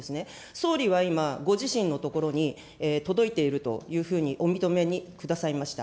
総理は今、ご自身の所に届いているというふうにお認めくださいました。